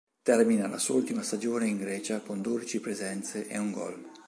Termina la sua ultima stagione in Grecia con dodici presenze e un gol.